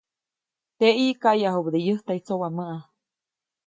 Teʼyi, kaʼyajubäde yäjtaʼy tsowamäʼa.